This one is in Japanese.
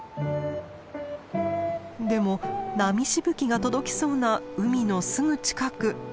でも波しぶきが届きそうな海のすぐ近く。